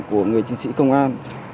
của người chiến sĩ công an